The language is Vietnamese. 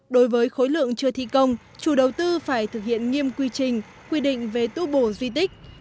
đối với khối lượng chưa thi công chủ đầu tư phải thực hiện nghiêm quy trình quy định về tu bổ di tích